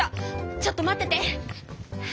ちょっと待ってて！